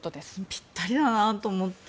ぴったりだなと思って。